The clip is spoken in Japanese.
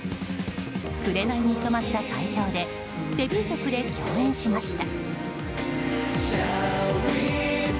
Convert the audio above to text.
紅に染まった会場でデビュー曲で共演しました。